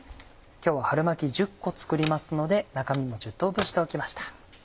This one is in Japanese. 今日は春巻き１０個作りますので中身も１０等分しておきました。